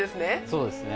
そうですね。